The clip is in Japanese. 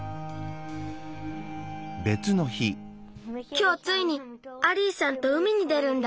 きょうついにアリーさんと海に出るんだ。